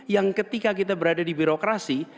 yang ketika kita berada di birokrasi